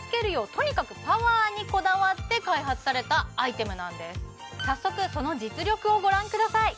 とにかくパワーにこだわって開発されたアイテムなんです早速その実力をご覧ください